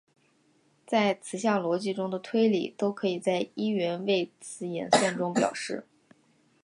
在词项逻辑中的推理都可以在一元谓词演算中表示。